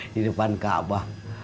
di depan kabah